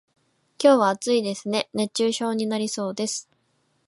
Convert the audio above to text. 今日は暑いですね、熱中症になりそうです。